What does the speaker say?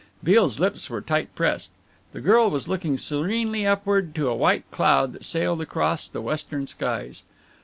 Beale's lips were tight pressed. The girl was looking serenely upward to a white cloud that sailed across the western skies.